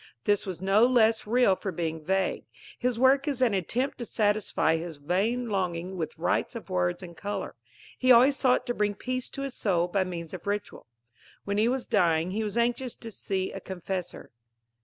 This was no less real for being vague. His work is an attempt to satisfy his vain longing with rites of words and colour. He always sought to bring peace to his soul by means of ritual. When he was dying, he was anxious to see a confessor.